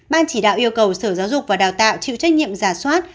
ban chỉ đạo yêu cầu sở giáo dục và đào tạo chịu trách nhiệm giả soát